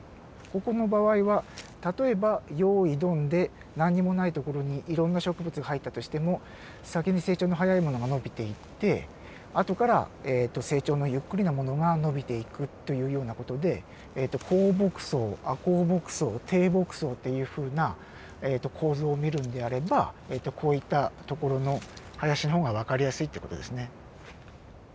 ここの場合は例えばよいドンで何にもない所にいろんな植物が入ったとしても先に成長の速いものが伸びていって後から成長のゆっくりなものが伸びていくというような事で高木層亜高木層低木層っていうふうな構造を見るんであればこういった所の林の方がわかりやすいって事ですね。